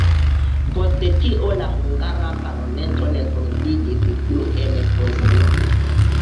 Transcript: Post tio la hungara parlamento ne kunsidis plu en Pozono.